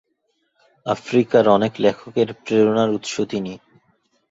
আফ্রিকার অনেক লেখকের প্রেরণার উৎস তিনি।